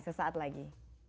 ke saat lagi